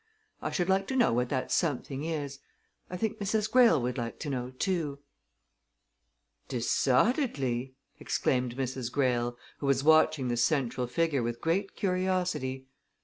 I should like to know what that something is. I think Mrs. Greyle would like to know, too." "Decidedly!" exclaimed Mrs. Greyle, who was watching the central figure with great curiosity.